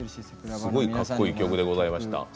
すごいかっこいい曲でございました。